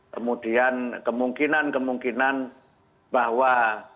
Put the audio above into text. kemudian kemungkinan kemungkinan bahwa